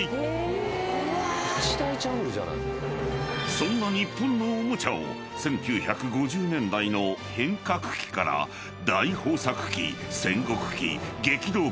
［そんな日本のおもちゃを１９５０年代の変革期から大豊作期戦国期激動期新局面期に分類］